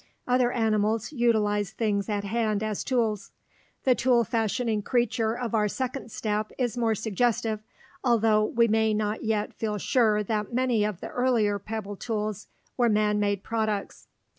Other animals utilize things at hand as tools. The tool fashioning creature of our second step is more suggestive, although we may not yet feel sure that many of the earlier pebble tools were man made products.